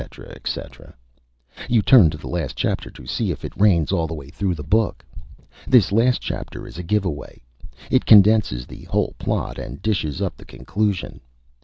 etc. You turn to the last Chapter to see if it Rains all the way through the Book. This last Chapter is a Give Away. It condenses the whole Plot and dishes up the Conclusion.